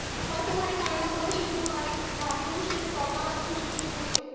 বর্তমানে কানাডা প্রবাসী দোলন অনেক নামী অনুষ্ঠানের তবলা বাদক হিসেবে সুপরিচিত।